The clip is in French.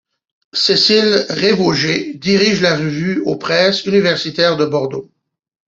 Cécile Révauger dirige la revue aux presses universitaires de Bordeaux.